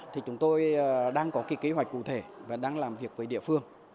thì chúng tôi đang có cái kế hoạch cụ thể và đang làm việc với địa phương